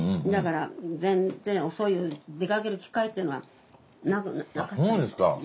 だから全然出かける機会っていうのはなかったね。